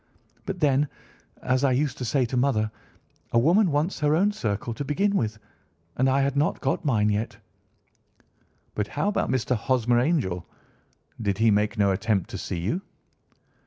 But then, as I used to say to mother, a woman wants her own circle to begin with, and I had not got mine yet." "But how about Mr. Hosmer Angel? Did he make no attempt to see you?"